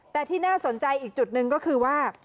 แต่ที่น่าสนใจอีกจุดหนึ่งก็คือว่า